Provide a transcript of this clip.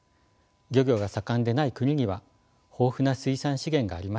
漁業が盛んでない国には豊富な水産資源がありました。